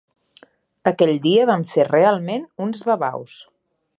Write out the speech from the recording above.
Aquell dia vam ser realment uns babaus.